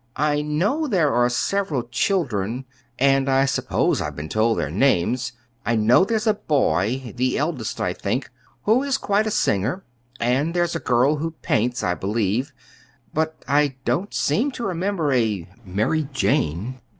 I know there are several children and I suppose I've been told their names. I know there's a boy the eldest, I think who is quite a singer, and there's a girl who paints, I believe; but I don't seem to remember a 'Mary Jane.'"